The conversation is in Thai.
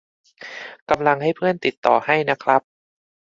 กำลังให้เพื่อนติดต่อให้นะครับ